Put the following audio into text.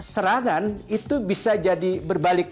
serangan itu bisa jadi berbalik